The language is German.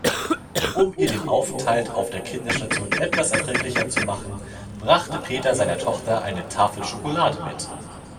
Um ihr den Aufenthalt auf der Kinderstation etwas erträglicher zu machen, brachte Peter seiner Tochter eine Tafel Schokolade mit.